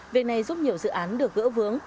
việc này giúp nhiều dự án được gỡ vướng